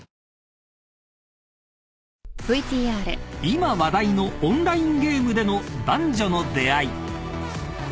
［今話題のオンラインゲームでの男女の出会い］